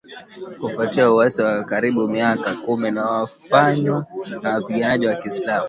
kufuatia uasi wa karibu miaka kumi unaofanywa na wapiganaji wa kiislamu